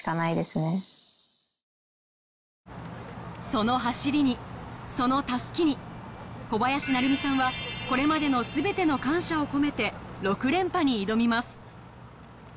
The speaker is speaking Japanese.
その走りにその襷に小林成美さんはこれまでの全ての感謝を込めて６連覇に挑みます